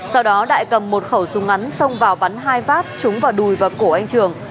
sau đó đại cầm một khẩu súng ngắn xông vào bắn hai phát trúng vào đùi và cổ anh trường